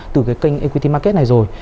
từ cái kênh equity market này rồi